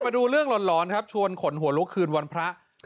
มาดูเรื่องหลอนครับชวนขนหัวลุกคืนวันพระ